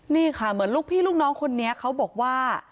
นี่ค่ะเหมือนลูกพี่ลูกน้องคนนี้เขาบอกว่า